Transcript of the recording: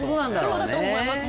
そうだと思います